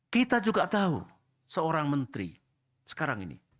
kita juga tahu seorang menteri sekarang ini